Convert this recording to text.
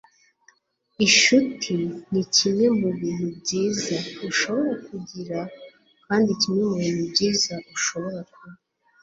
inshuti nikimwe mubintu byiza ushobora kugira kandi kimwe mubintu byiza ushobora kuba